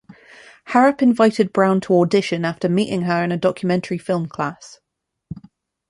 Harrop invited Brown to audition after meeting her in a documentary film class.